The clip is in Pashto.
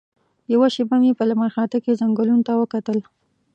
یوه شېبه مې په لمرخاته کې ځنګلونو ته وکتل.